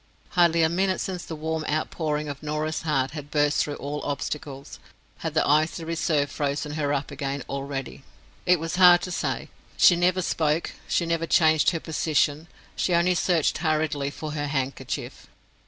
Hardly a minute since the warm outpouring of Norah's heart had burst through all obstacles. Had the icy reserve frozen her up again already! It was hard to say. She never spoke; she never changed her position—she only searched hurriedly for her handkerchief.